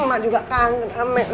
mak juga kangen ame